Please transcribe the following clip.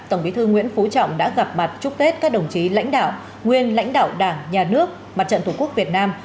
tổng bí thư nguyễn phú trọng đã gặp mặt chúc tết các đồng chí lãnh đạo nguyên lãnh đạo đảng nhà nước mặt trận tổ quốc việt nam